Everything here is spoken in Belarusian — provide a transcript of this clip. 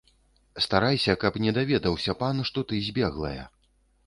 Старайся, каб не даведаўся пан, што ты збеглая!